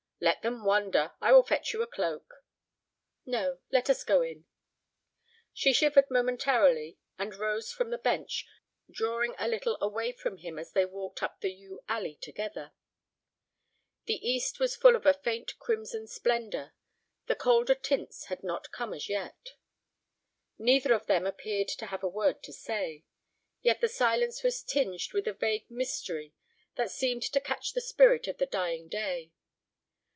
"Let them wonder. I will fetch you a cloak." "No. Let us go in." She shivered momentarily and rose from the bench, drawing a little away from him as they walked up the yew alley together. The east was full of a faint crimson splendor; the colder tints had not come as yet. Neither of them appeared to have a word to say. Yet the silence was tinged with a vague mystery that seemed to catch the spirit of the dying day.